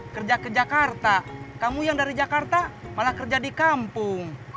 kerja ke jakarta kamu yang dari jakarta malah kerja di kampung